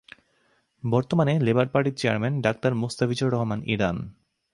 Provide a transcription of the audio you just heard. বর্তমানে লেবার পার্টির chairman doctor Mostafizur Rahman Iran.